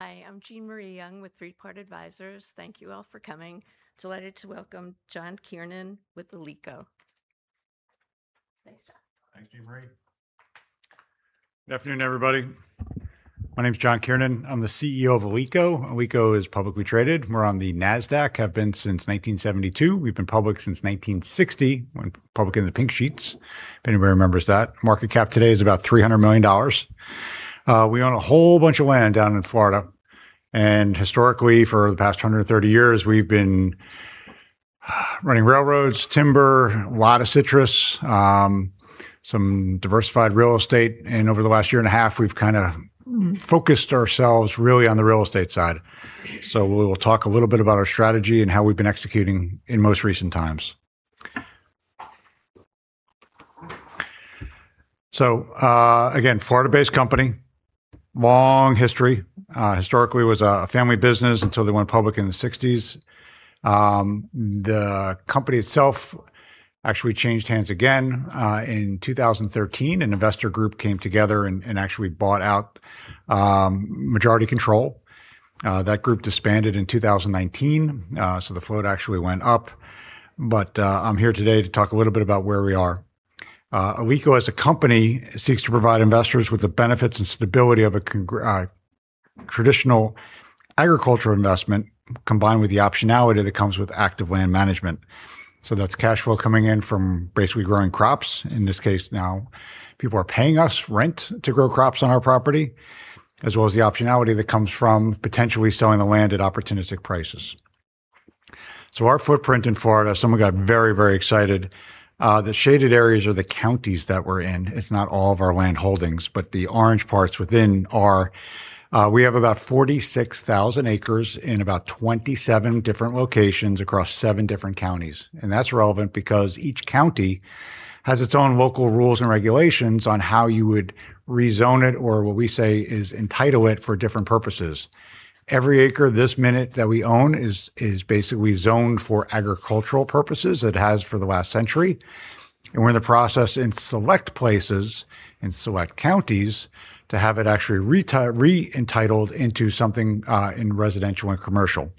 Hi, I'm Jean Marie Young with Three Part Advisors. Thank you all for coming. Delighted to welcome John Kiernan with Alico. Thanks, John. Thanks, Jean Marie. Good afternoon, everybody. My name's John Kiernan. I'm the CEO of Alico. Alico is publicly traded. We're on the Nasdaq, have been since 1972. We've been public since 1960. Went public in the pink sheets, if anybody remembers that. Market cap today is about $300 million. We own a whole bunch of land down in Florida, and historically, for the past 130 years, we've been running railroads, timber, a lot of citrus, some diversified real estate, and over the last year and a half, we've focused ourselves really on the real estate side. We'll talk a little bit about our strategy and how we've been executing in most recent times. Again, Florida-based company, long history. Historically was a family business until they went public in the 1960s. The company itself actually changed hands again, in 2013. An investor group came together and actually bought out majority control. That group disbanded in 2019, the float actually went up. I'm here today to talk a little bit about where we are. Alico as a company seeks to provide investors with the benefits and stability of a traditional agricultural investment, combined with the optionality that comes with active land management. That's cashflow coming in from basically growing crops. In this case now, people are paying us rent to grow crops on our property, as well as the optionality that comes from potentially selling the land at opportunistic prices. Our footprint in Florida, some will got very excited. The shaded areas are the counties that we're in. It's not all of our land holdings, but the orange parts within are. We have about 46,000 acres in about 27 different locations across seven different counties. That's relevant because each county has its own local rules and regulations on how you would rezone it or what we say is entitle it for different purposes. Every acre this minute that we own is basically zoned for agricultural purposes. It has for the last century. We're in the process in select places, in select counties, to have it actually re-entitled into something in residential and commercial.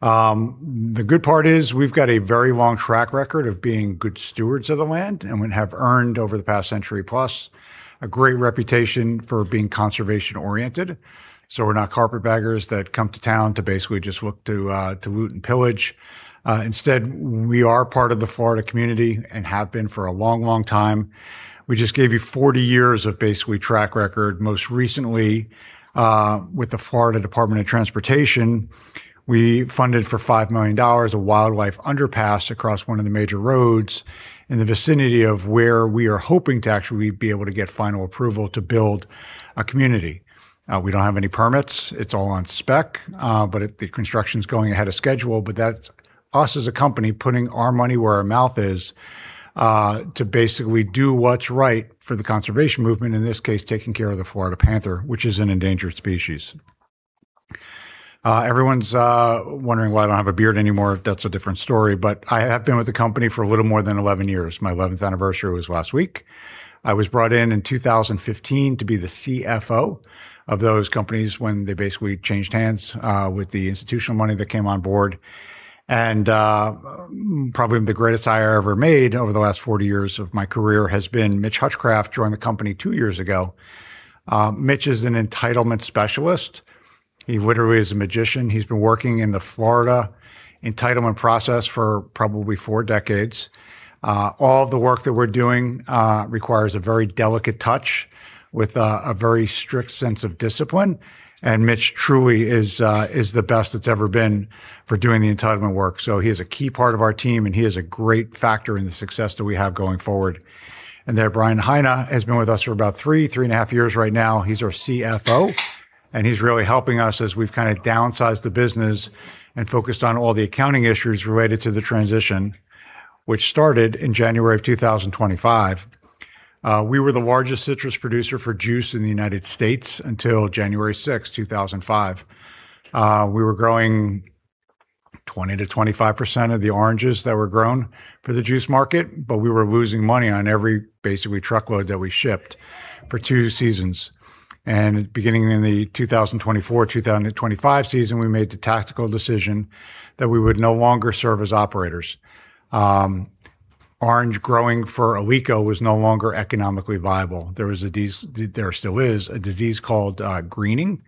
The good part is we've got a very long track record of being good stewards of the land, and have earned over the past century plus a great reputation for being conservation-oriented. We're not carpetbaggers that come to town to basically just look to loot and pillage. Instead, we are part of the Florida community and have been for a long time. We just gave you 40 years of basically track record. Most recently, with the Florida Department of Transportation, we funded for $5 million a wildlife underpass across one of the major roads in the vicinity of where we are hoping to actually be able to get final approval to build a community. We don't have any permits. It's all on spec. The construction's going ahead of schedule. That's us as a company putting our money where our mouth is, to basically do what's right for the conservation movement. In this case, taking care of the Florida panther, which is an endangered species. Everyone's wondering why I don't have a beard anymore. That's a different story, but I have been with the company for a little more than 11 years. My 11th anniversary was last week. I was brought in in 2015 to be the CFO of those companies when they basically changed hands, with the institutional money that came on board. Probably the greatest hire I ever made over the last 40 years of my career has been Mitch Hutchcraft, joined the company two years ago. Mitch is an entitlement specialist. He literally is a magician. He's been working in the Florida entitlement process for probably four decades. All of the work that we're doing requires a very delicate touch with a very strict sense of discipline, and Mitch truly is the best that's ever been for doing the entitlement work. He is a key part of our team, and he is a great factor in the success that we have going forward. There, Bradley Heine has been with us for about three and a half years right now. He's our CFO. He's really helping us as we've downsized the business and focused on all the accounting issues related to the transition, which started in January of 2025. We were the largest citrus producer for juice in the United States. until January 6th, 2005. We were growing 20%-25% of the oranges that were grown for the juice market, but we were losing money on every basically truckload that we shipped for two seasons. Beginning in the 2024-2025 season, we made the tactical decision that we would no longer serve as operators. Orange growing for Alico was no longer economically viable. There still is a disease called greening,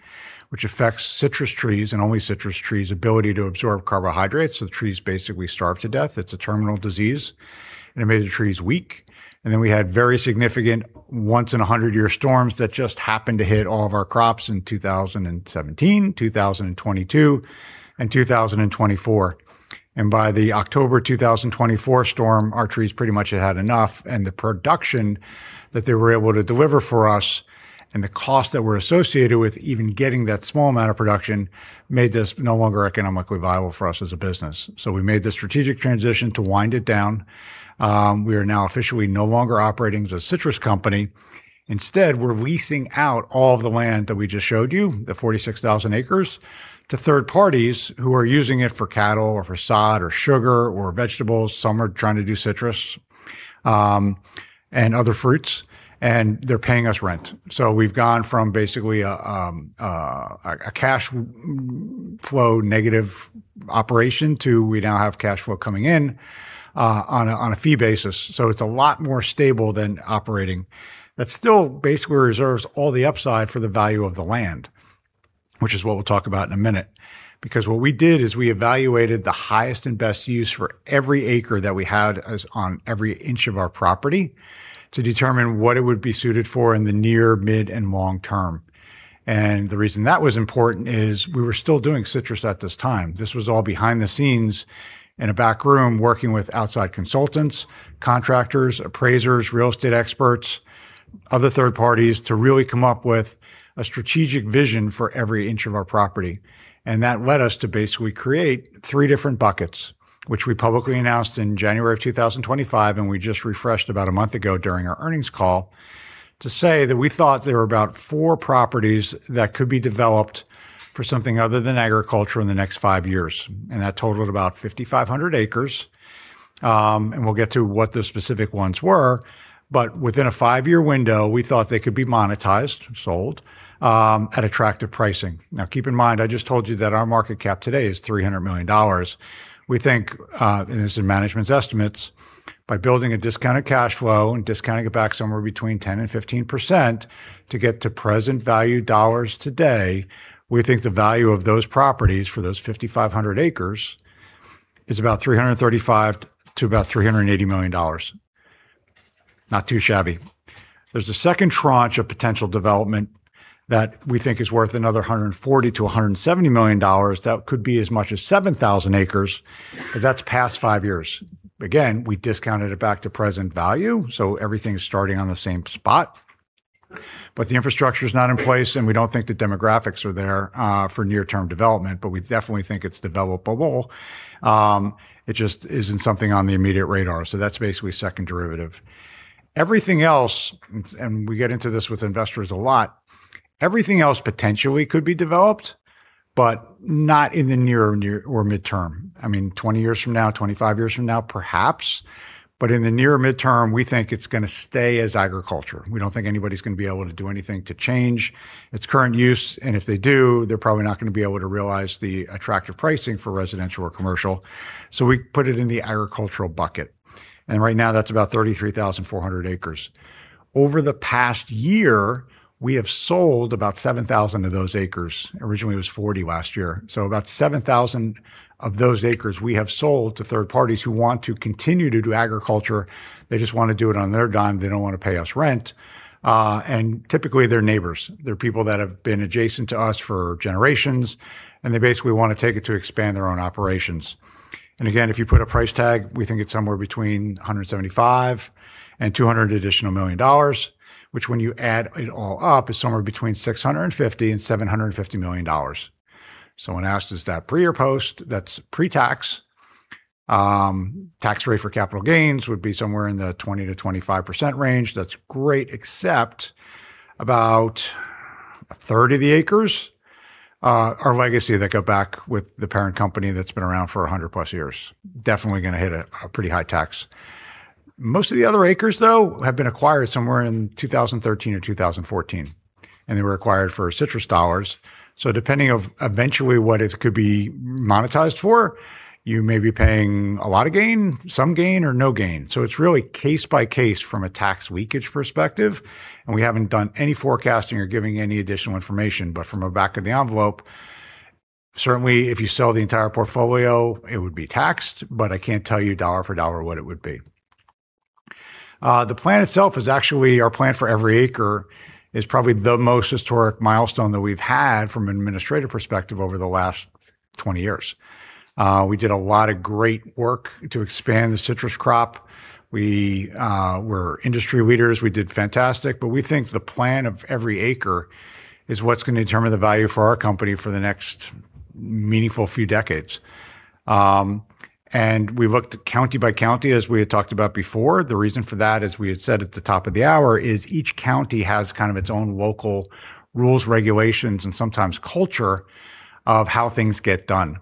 which affects citrus trees and only citrus trees' ability to absorb carbohydrates, so the trees basically starve to death. It's a terminal disease, and it made the trees weak. We had very significant once in 100 year storms that just happened to hit all of our crops in 2017, 2022, and 2024. By the October 2024 storm, our trees pretty much had had enough, and the production that they were able to deliver for us and the cost that were associated with even getting that small amount of production made this no longer economically viable for us as a business. We made the strategic transition to wind it down. We are now officially no longer operating as a citrus company. Instead, we're leasing out all of the land that we just showed you, the 46,000 acres, to third parties who are using it for cattle or for sod or sugar or vegetables. Some are trying to do citrus and other fruits. They're paying us rent. We've gone from basically a cash flow negative operation to we now have cash flow coming in on a fee basis. It's a lot more stable than operating. That still basically reserves all the upside for the value of the land, which is what we'll talk about in a minute. What we did is we evaluated the highest and best use for every acre that we had on every inch of our property to determine what it would be suited for in the near, mid, and long term. The reason that was important is we were still doing citrus at this time. This was all behind the scenes in a back room working with outside consultants, contractors, appraisers, real estate experts, other third parties to really come up with a strategic vision for every inch of our property. That led us to basically create three different buckets, which we publicly announced in January of 2025, and we just refreshed about a month ago during our earnings call to say that we thought there were about four properties that could be developed for something other than agriculture in the next five years. That totaled about 5,500 acres. We'll get to what the specific ones were. Within a five-year window, we thought they could be monetized, sold, at attractive pricing. Keep in mind, I just told you that our market cap today is $300 million. We think, and this is management's estimates, by building a discounted cash flow and discounting it back somewhere between 10%-15% to get to present value dollars today, we think the value of those properties for those 5,500 acres is about $335 million-$380 million. Not too shabby. There's a second tranche of potential development that we think is worth another $140 million-$170 million. That could be as much as 7,000 acres, but that's past five years. Again, we discounted it back to present value, so everything's starting on the same spot. The infrastructure's not in place, and we don't think the demographics are there for near-term development, but we definitely think it's developable. It just isn't something on the immediate radar. That's basically second derivative. Everything else, and we get into this with investors a lot, everything else potentially could be developed, but not in the near or midterm. I mean, 20 years from now, 25 years from now, perhaps. In the near midterm, we think it's going to stay as agriculture. We don't think anybody's going to be able to do anything to change its current use, and if they do, they're probably not going to be able to realize the attractive pricing for residential or commercial. We put it in the agricultural bucket. Right now, that's about 33,400 acres. Over the past year, we have sold about 7,000 of those acres. Originally, it was 40,000 acres last year. About 7,000 of those acres we have sold to third parties who want to continue to do agriculture. They just want to do it on their dime. They don't want to pay us rent. Typically, they're neighbors. They're people that have been adjacent to us for generations, and they basically want to take it to expand their own operations. If you put a price tag, we think it is somewhere between $175 million-$200 million additional, which when you add it all up, is somewhere between $650 million-$750 million. Someone asked, is that pre or post? That is pre-tax. Tax rate for capital gains would be somewhere in the 20%-25% range. That is great, except about a third of the acres are legacy that go back with the parent company that has been around for 100+ years. Definitely going to hit a pretty high tax. Most of the other acres, though, have been acquired somewhere in 2013 or 2014, and they were acquired for citrus dollars. Depending of eventually what it could be monetized for, you may be paying a lot of gain, some gain, or no gain. It is really case by case from a tax leakage perspective, and we have not done any forecasting or giving any additional information. From a back of the envelope, certainly if you sell the entire portfolio, it would be taxed, but I cannot tell you dollar for dollar what it would be. The plan itself is actually our plan for every acre is probably the most historic milestone that we have had from an administrative perspective over the last 20 years. We did a lot of great work to expand the citrus crop. We were industry leaders. We did fantastic, but we think the plan of every acre is what is going to determine the value for our company for the next meaningful few decades. We looked county by county, as we had talked about before. The reason for that, as we had said at the top of the hour, is each county has kind of its own local rules, regulations, and sometimes culture of how things get done.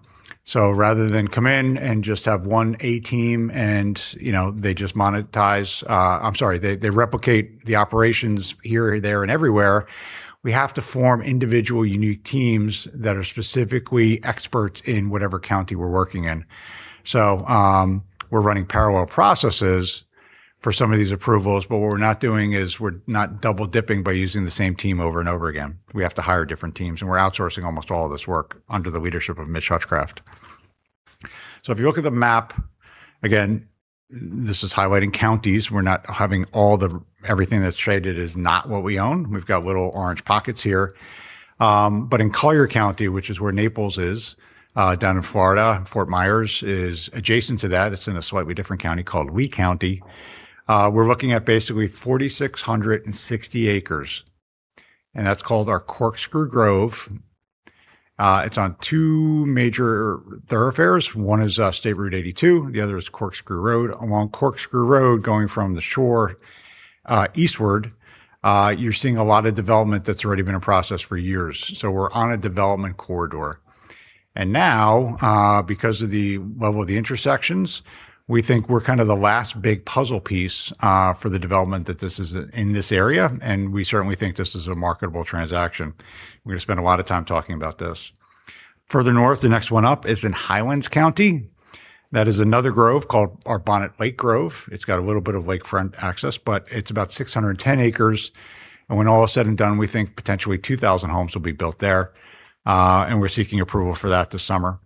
Rather than come in and just have one A team and they just monetize, I am sorry, they replicate the operations here, there, and everywhere. We have to form individual unique teams that are specifically experts in whatever county we are working in. We are running parallel processes for some of these approvals, but what we are not doing is we are not double-dipping by using the same team over and over again. We have to hire different teams, and we are outsourcing almost all of this work under the leadership of Mitch Hutchcraft. If you look at the map, again, this is highlighting counties. Everything that is shaded is not what we own. We have got little orange pockets here. In Collier County, which is where Naples is, down in Florida, Fort Myers is adjacent to that. It is in a slightly different county called Lee County. We are looking at basically 4,660 acres, and that is called our Corkscrew Grove. It is on two major thoroughfares. One is State Route 82, the other is Corkscrew Road. Along Corkscrew Road, going from the shore eastward, you are seeing a lot of development that is already been in process for years. We are on a development corridor. Now, because of the level of the intersections, we think we are the last big puzzle piece for the development that this is in this area, and we certainly think this is a marketable transaction. We are going to spend a lot of time talking about this. Further north, the next one up is in Highlands County. That is another grove called Bonnet Lake Grove. It's got a little bit of lakefront access, but it's about 610 acres, and when all is said and done, we think potentially 2,000 homes will be built there. We're seeking approval for that this summer.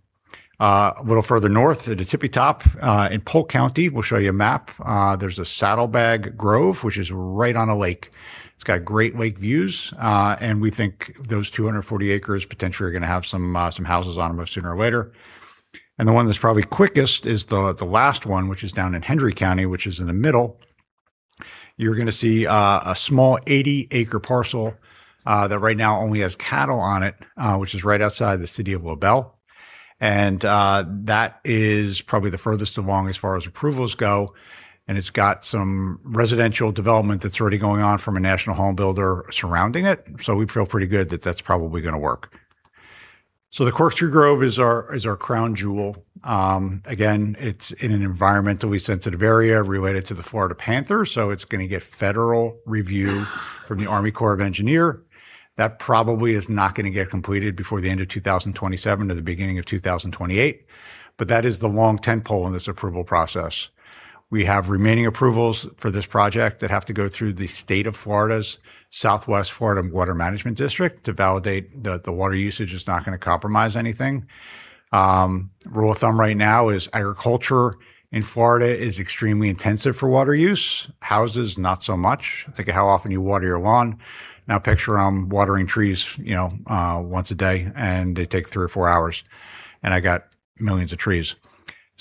A little further north at the tippy top, in Polk County, we'll show you a map. There's a Saddlebag Grove, which is right on a lake. It's got great lake views. We think those 240 acres potentially are going to have some houses on them sooner or later. The one that's probably quickest is the last one, which is down in Hendry County, which is in the middle. You're going to see a small 80-acre parcel, that right now only has cattle on it, which is right outside the city of LaBelle. That is probably the furthest along as far as approvals go, and it's got some residential development that's already going on from a national home builder surrounding it. We feel pretty good that that's probably going to work. The Corkscrew Grove is our crown jewel. Again, it's in an environmentally sensitive area related to the Florida panther, so it's going to get federal review from the Army Corps of Engineers. That probably is not going to get completed before the end of 2027 or the beginning of 2028. That is the long tent pole in this approval process. We have remaining approvals for this project that have to go through the state of Florida's Southwest Florida Water Management District to validate that the water usage is not going to compromise anything. Rule of thumb right now is agriculture in Florida is extremely intensive for water use. Houses, not so much. Think of how often you water your lawn. Now picture I'm watering trees once a day, and they take three or four hours, and I got millions of trees.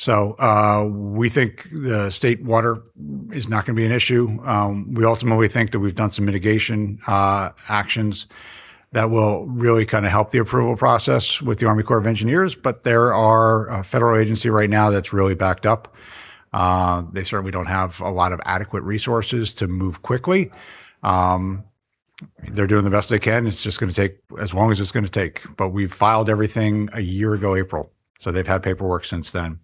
We think the state water is not going to be an issue. We ultimately think that we've done some mitigation actions that will really help the approval process with the Army Corps of Engineers, but they're a federal agency right now that's really backed up. They certainly don't have a lot of adequate resources to move quickly. They're doing the best they can. It's just going to take as long as it's going to take. We filed everything a year ago April, so they've had paperwork since then.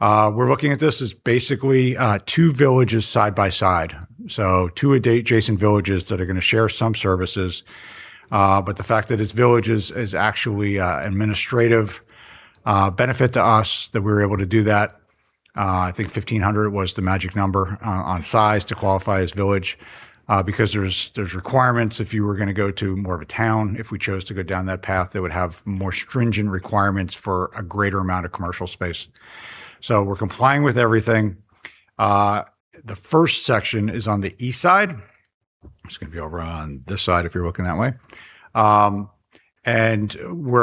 We're looking at this as basically two villages side by side. Two adjacent villages that are going to share some services. The fact that it's villages is actually administrative benefit to us that we were able to do that. I think 1,500 was the magic number on size to qualify as village. There's requirements if you were going to go to more of a town, if we chose to go down that path, it would have more stringent requirements for a greater amount of commercial space. We're complying with everything. The first section is on the east side. It's going to be over on this side if you're looking that way. We're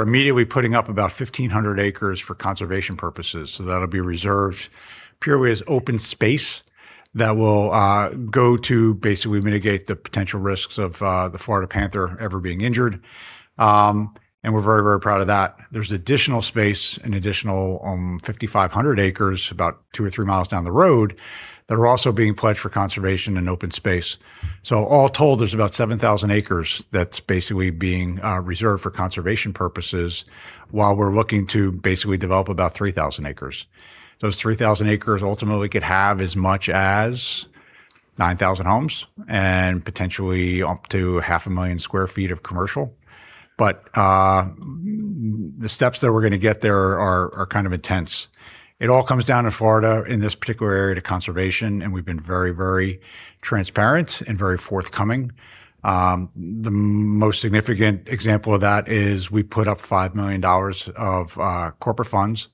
immediately putting up about 1,500 acres for conservation purposes. That'll be reserved purely as open space that will go to basically mitigate the potential risks of the Florida panther ever being injured. We're very, very proud of that. There's additional space, an additional 5,500 acres about two or three miles down the road, that are also being pledged for conservation and open space. All told, there's about 7,000 acres that's basically being reserved for conservation purposes while we're looking to basically develop about 3,000 acres. Those 3,000 acres ultimately could have as much as 9,000 homes and potentially up to half a million square feet of commercial. The steps that we're going to get there are kind of intense. It all comes down to Florida in this particular area to conservation, and we've been very, very transparent and very forthcoming. The most significant example of that is we put up $5 million of corporate funds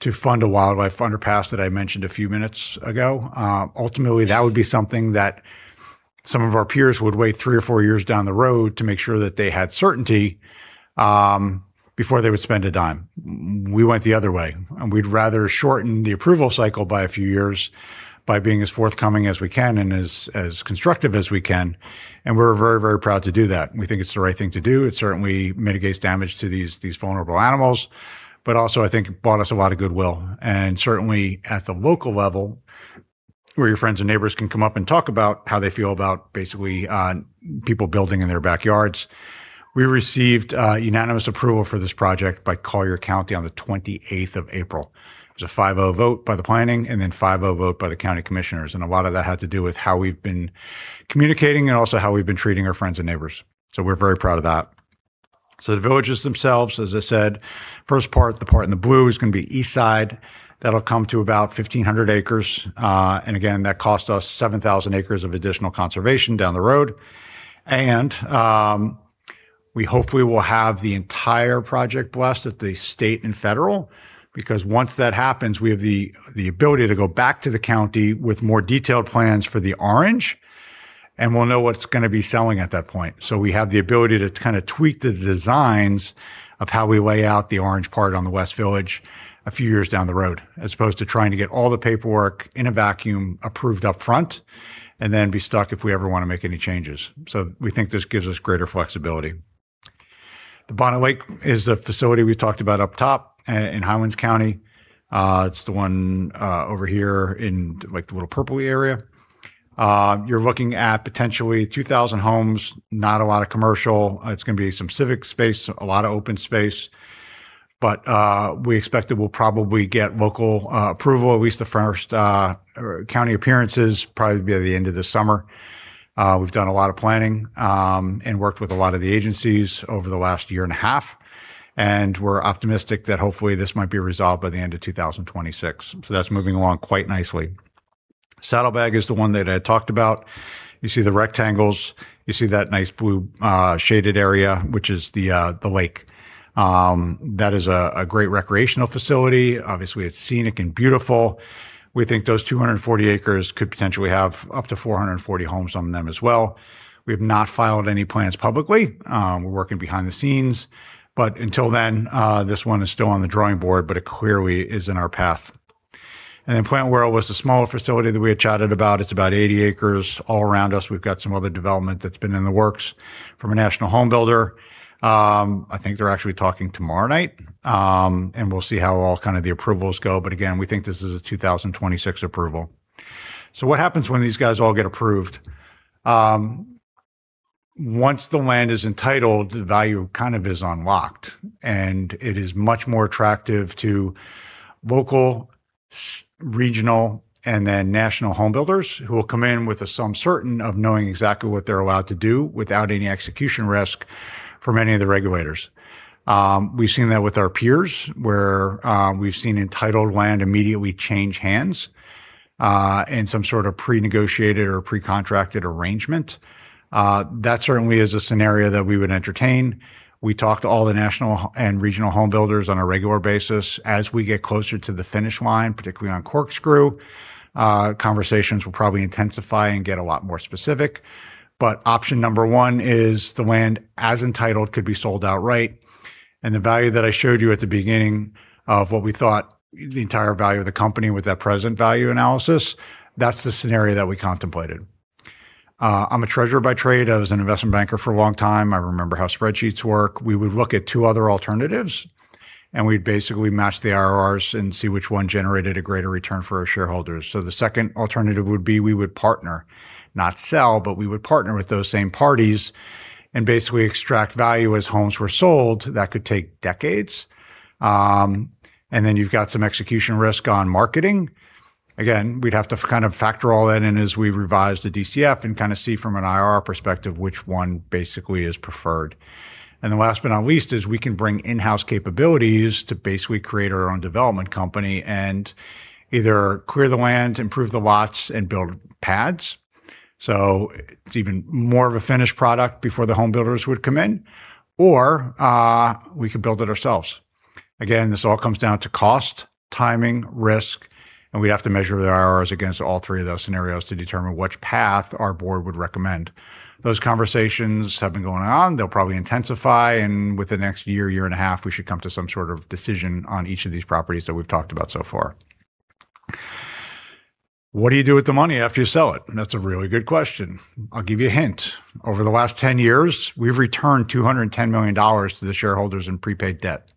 to fund a wildlife underpass that I mentioned a few minutes ago. Ultimately, that would be something that some of our peers would wait three or four years down the road to make sure that they had certainty before they would spend a dime. We went the other way, and we'd rather shorten the approval cycle by a few years by being as forthcoming as we can and as constructive as we can, and we're very, very proud to do that. We think it's the right thing to do. It certainly mitigates damage to these vulnerable animals. Also, I think it bought us a lot of goodwill, and certainly at the local level, where your friends and neighbors can come up and talk about how they feel about basically people building in their backyards. We received unanimous approval for this project by Collier County on the 28th of April. It was a 5-0 vote by the planning and then 5-0 vote by the county commissioners, and a lot of that had to do with how we've been communicating and also how we've been treating our friends and neighbors. We're very proud of that. The villages themselves, as I said, first part, the part in the blue is going to be east side. That'll come to about 1,500 acres. Again, that cost us 7,000 acres of additional conservation down the road. We hopefully will have the entire project blessed at the state and federal, because once that happens, we have the ability to go back to the county with more detailed plans for the orange, and we'll know what's going to be selling at that point. We have the ability to tweak the designs of how we lay out the orange part on the west village a few years down the road, as opposed to trying to get all the paperwork in a vacuum approved up front, and then be stuck if we ever want to make any changes. We think this gives us greater flexibility. The Bonnet Lake is a facility we talked about up top in Highlands County. It's the one over here in the little purple area. You're looking at potentially 2,000 homes, not a lot of commercial. It's going to be some civic space, a lot of open space. We expect that we'll probably get local approval, at least the first county appearance is probably be by the end of this summer. We've done a lot of planning, and worked with a lot of the agencies over the last year and a half, and we're optimistic that hopefully this might be resolved by the end of 2026. That's moving along quite nicely. Saddlebag is the one that I had talked about. You see the rectangles, you see that nice blue shaded area, which is the lake. That is a great recreational facility. Obviously, it's scenic and beautiful. We think those 240 acres could potentially have up to 440 homes on them as well. We have not filed any plans publicly. We're working behind the scenes, but until then, this one is still on the drawing board, but it clearly is in our path. Plant World was the smaller facility that we had chatted about. It's about 80 acres. All around us, we've got some other development that's been in the works from a national home builder. I think they're actually talking tomorrow night, and we'll see how all the approvals go. Again, we think this is a 2026 approval. What happens when these guys all get approved? Once the land is entitled, the value is unlocked, and it is much more attractive to local, regional, and then national home builders who will come in with a sum certain of knowing exactly what they're allowed to do without any execution risk from any of the regulators. We've seen that with our peers, where we've seen entitled land immediately change hands, and some sort of prenegotiated or pre-contracted arrangement. That certainly is a scenario that we would entertain. We talk to all the national and regional home builders on a regular basis. As we get closer to the finish line, particularly on Corkscrew, conversations will probably intensify and get a lot more specific. Option number one is the land as entitled could be sold outright, and the value that I showed you at the beginning of what we thought the entire value of the company with that present value analysis, that's the scenario that we contemplated. I'm a treasurer by trade. I was an investment banker for a long time. I remember how spreadsheets work. We would look at two other alternatives, and we'd basically match the IRRs and see which one generated a greater return for our shareholders. The second alternative would be we would partner, not sell, but we would partner with those same parties and basically extract value as homes were sold. That could take decades. You've got some execution risk on marketing. Again, we'd have to factor all that in as we revise the DCF and see from an IRR perspective which one basically is preferred. Last but not least is we can bring in-house capabilities to basically create our own development company and either clear the land, improve the lots, and build pads. It's even more of a finished product before the home builders would come in. We could build it ourselves. Again, this all comes down to cost, timing, risk, and we'd have to measure the IRRs against all three of those scenarios to determine which path our board would recommend. Those conversations have been going on. They'll probably intensify, and within the next year and a half, we should come to some sort of decision on each of these properties that we've talked about so far. What do you do with the money after you sell it? That's a really good question. I'll give you a hint. Over the last 10 years, we've returned $210 million to the shareholders in prepaid debt.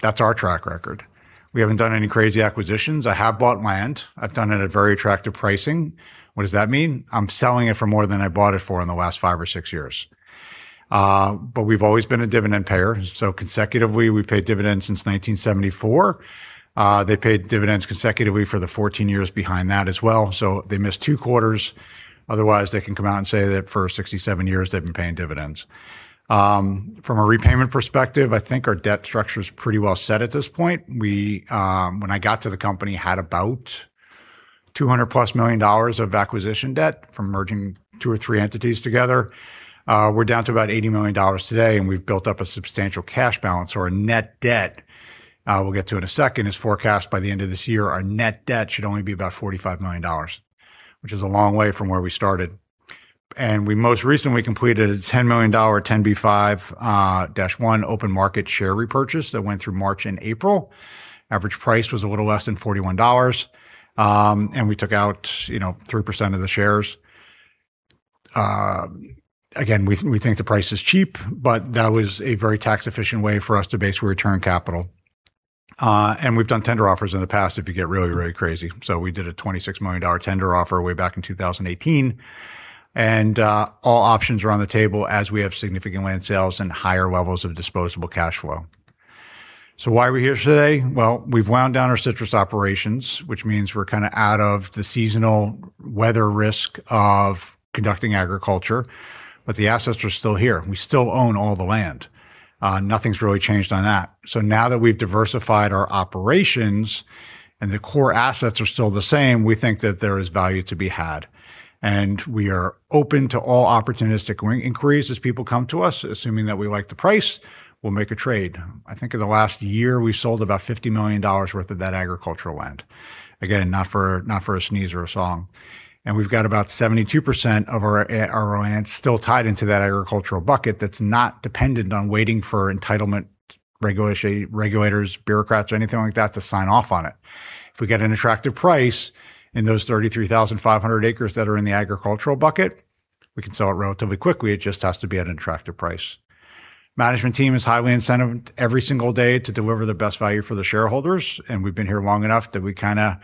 That's our track record. We haven't done any crazy acquisitions. I have bought land. I've done it at very attractive pricing. What does that mean? I'm selling it for more than I bought it for in the last five or six years. We've always been a dividend payer, consecutively, we've paid dividends since 1974. They paid dividends consecutively for the 14 years behind that as well, so they missed two quarters. Otherwise, they can come out and say that for 67 years, they've been paying dividends. From a repayment perspective, I think our debt structure's pretty well set at this point. We, when I got to the company, had about $200+ million of acquisition debt from merging two or three entities together. We're down to about $80 million today, and we've built up a substantial cash balance or a net debt. We'll get to it in a second. It's forecast by the end of this year, our net debt should only be about $45 million, which is a long way from where we started. We most recently completed a $10 million 10b5-1 open market share repurchase that went through March and April. Average price was a little less than $41, and we took out 3% of the shares. Again, we think the price is cheap, but that was a very tax-efficient way for us to basically return capital. We've done tender offers in the past if you get really, really crazy. We did a $26 million tender offer way back in 2018, and all options are on the table as we have significant land sales and higher levels of disposable cash flow. Why are we here today? Well, we've wound down our citrus operations, which means we're out of the seasonal weather risk of conducting agriculture. The assets are still here. We still own all the land. Nothing's really changed on that. Now that we've diversified our operations and the core assets are still the same, we think that there is value to be had. We are open to all opportunistic inquiries as people come to us. Assuming that we like the price, we'll make a trade. I think in the last year, we sold about $50 million worth of that agricultural land. Again, not for a sneeze or a song. We've got about 72% of our land still tied into that agricultural bucket that's not dependent on waiting for entitlement, regulators, bureaucrats, or anything like that to sign off on it. If we get an attractive price in those 33,500 acres that are in the agricultural bucket, we can sell it relatively quickly. It just has to be at an attractive price. Management team is highly incented every single day to deliver the best value for the shareholders, and we've been here long enough that we kind of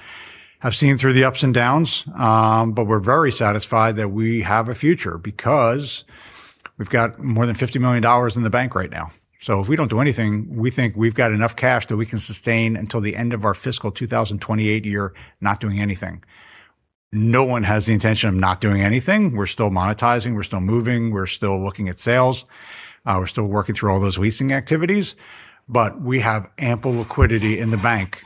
have seen through the ups and downs. We're very satisfied that we have a future, because we've got more than $50 million in the bank right now. If we don't do anything, we think we've got enough cash that we can sustain until the end of our fiscal 2028 year not doing anything. No one has the intention of not doing anything. We're still monetizing, we're still moving, we're still looking at sales, we're still working through all those leasing activities, but we have ample liquidity in the bank.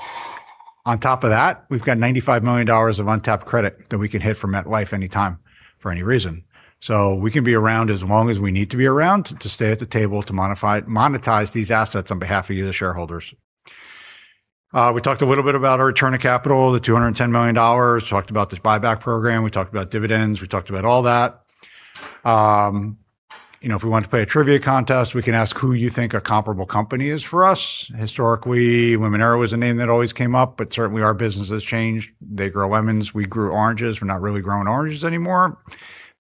On top of that, we've got $95 million of untapped credit that we can hit for MetLife anytime for any reason. We can be around as long as we need to be around to stay at the table to monetize these assets on behalf of you, the shareholders. We talked a little bit about our return of capital, the $210 million. Talked about this buyback program. We talked about dividends. We talked about all that. If we wanted to play a trivia contest, we can ask who you think a comparable company is for us. Historically, Limoneira was a name that always came up, but certainly our business has changed. They grow lemons. We grew oranges. We're not really growing oranges anymore.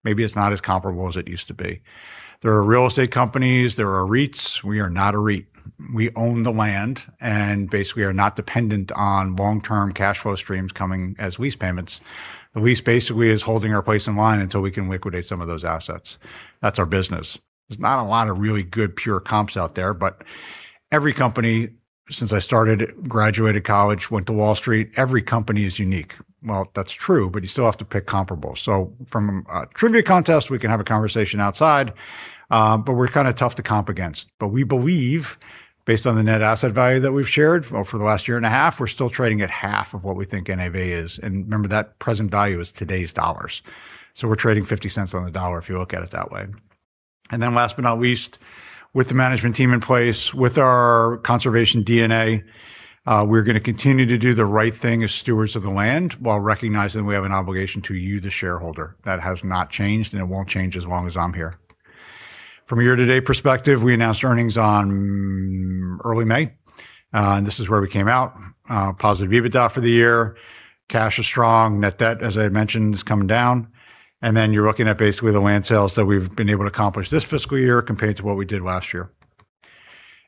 Maybe it's not as comparable as it used to be. There are real estate companies. There are REITs. We are not a REIT. We own the land, and basically are not dependent on long-term cash flow streams coming as lease payments. The lease basically is holding our place in line until we can liquidate some of those assets. That's our business. There's not a lot of really good, pure comps out there, but every company, since I started, graduated college, went to Wall Street, every company is unique. Well, that's true, but you still have to pick comparables. From a trivia contest, we can have a conversation outside, but we're kind of tough to comp against. We believe based on the net asset value that we've shared for the last year and a half, we're still trading at half of what we think NAV is. Remember, that present value is today's dollars. We're trading $0.50 on the dollar if you look at it that way. Last but not least, with the management team in place, with our conservation DNA, we're going to continue to do the right thing as stewards of the land while recognizing we have an obligation to you, the shareholder. That has not changed, and it won't change as long as I'm here. From a year-to-date perspective, we announced earnings on early May, and this is where we came out. Positive EBITDA for the year. Cash is strong. Net debt, as I mentioned, is coming down. You're looking at basically the land sales that we've been able to accomplish this fiscal year compared to what we did last year.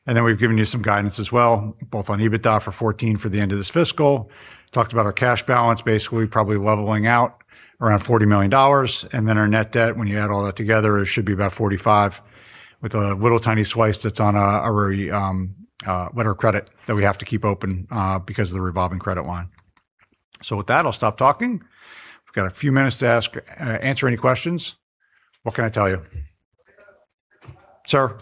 We've given you some guidance as well, both on EBITDA for 14 for the end of this fiscal. Talked about our cash balance basically probably leveling out around $40 million. Our net debt, when you add all that together, it should be about $45 million with a little tiny slice that's on a letter of credit that we have to keep open because of the revolving credit line. With that, I'll stop talking. We've got a few minutes to answer any questions. What can I tell you? Sir.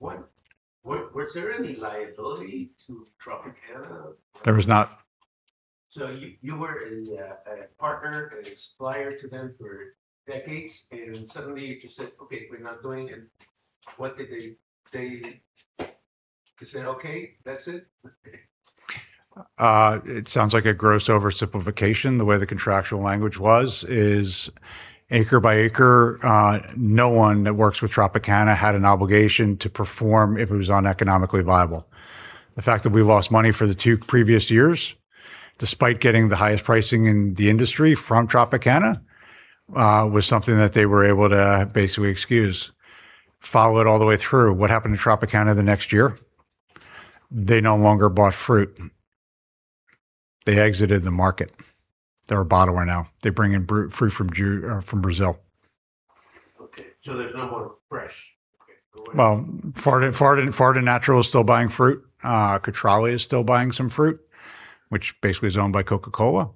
Was there any liability to Tropicana? There was not. You were a partner and a supplier to them for decades, and suddenly you just said, "Okay, we're not doing it." They said, "Okay, that's it? It sounds like a gross oversimplification. The way the contractual language was is acre by acre, no one that works with Tropicana had an obligation to perform if it was uneconomically viable. The fact that we lost money for the two previous years, despite getting the highest pricing in the industry from Tropicana, was something that they were able to basically excuse. Follow it all the way through, what happened to Tropicana the next year? They no longer bought fruit. They exited the market. They're a bottler now. They bring in fruit from Brazil. Well, Florida's Natural is still buying fruit. Cutrale is still buying some fruit, which basically is owned by Coca-Cola.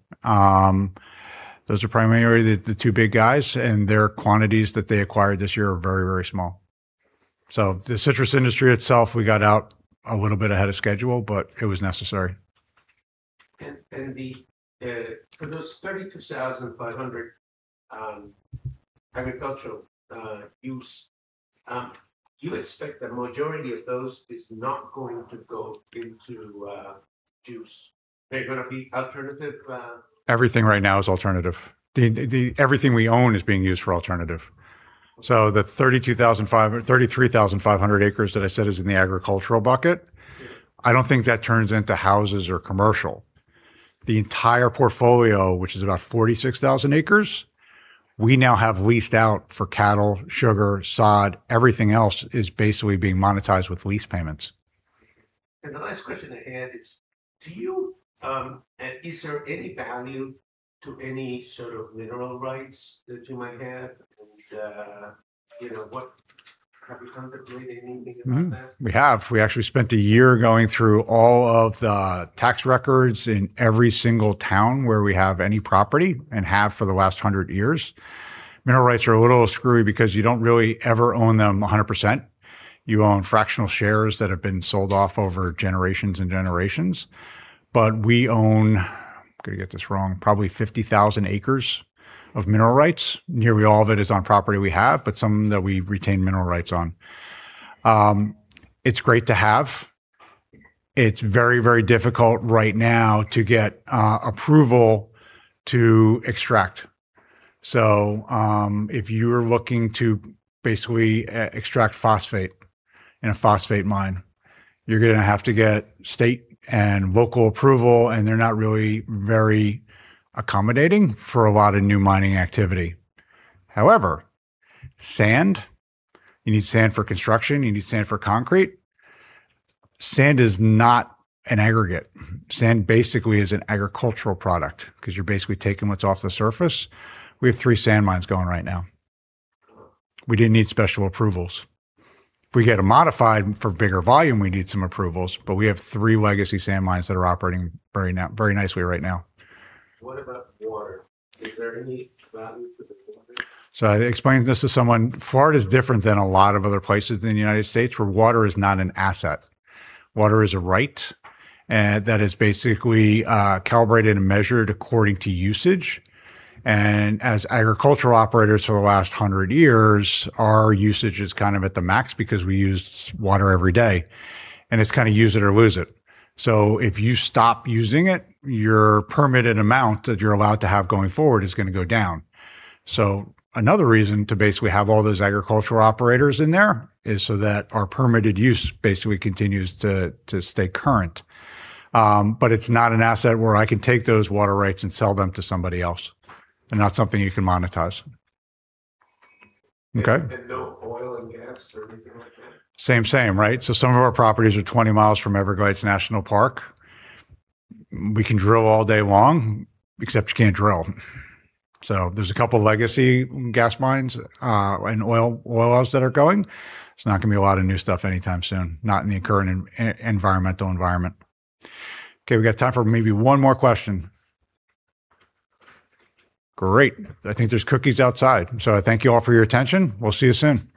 Those are primarily the two big guys, and their quantities that they acquired this year are very, very small. The citrus industry itself, we got out a little bit ahead of schedule, but it was necessary. For those 32,500 agricultural use, you expect the majority of those is not going to go into juice. They're going to be alternative? Everything right now is alternative. Everything we own is being used for alternative. The 33,500 acres that I said is in the agricultural bucket, I don't think that turns into houses or commercial. The entire portfolio, which is about 46,000 acres, we now have leased out for cattle, sugar, sod. Everything else is basically being monetized with lease payments. The last question I had is there any value to any sort of mineral rights that you might have, and have you contemplated anything about that? We have. We actually spent a year going through all of the tax records in every single town where we have any property, and have for the last 100 years. Mineral rights are a little screwy because you don't really ever own them 100%. You own fractional shares that have been sold off over generations and generations. We own, I'm going to get this wrong, probably 50,000 acres of mineral rights. Nearly all of it is on property we have, but some that we've retained mineral rights on. It's great to have. It's very, very difficult right now to get approval to extract. If you're looking to basically extract phosphate in a phosphate mine, you're going to have to get state and local approval, and they're not really very accommodating for a lot of new mining activity. However, sand, you need sand for construction, you need sand for concrete. Sand is not an aggregate. Sand basically is an agricultural product because you're basically taking what's off the surface. We have three sand mines going right now. We didn't need special approvals. If we get them modified for bigger volume, we need some approvals, but we have three legacy sand mines that are operating very nicely right now. I explained this to someone. Florida is different than a lot of other places in the United States. where water is not an asset. Water is a right, and that is basically calibrated and measured according to usage. As agricultural operators for the last 100 years, our usage is at the max because we use water every day, and it's kind of use it or lose it. If you stop using it, your permitted amount that you're allowed to have going forward is going to go down. Another reason to basically have all those agricultural operators in there is so that our permitted use basically continues to stay current. It's not an asset where I can take those water rights and sell them to somebody else. They're not something you can monetize. Okay. Same, right? Some of our properties are 20 miles from Everglades National Park. We can drill all day long, except you can't drill. There's a couple of legacy gas mines, and oil wells that are going. There's not going to be a lot of new stuff anytime soon. Not in the current environmental environment. Okay, we've got time for maybe one more question. Great. I think there's cookies outside. I thank you all for your attention. We'll see you soon